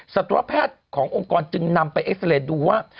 สัตวแพทย์ขององค์กรจึงนำไปเอ็กซาเรย์ดูว่า